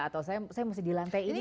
atau saya masih di lantai ini